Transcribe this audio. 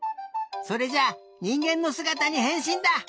それじゃにんげんのすがたにへんしんだ！